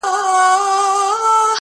زه مي له ژونده په اووه قرآنه کرکه لرم.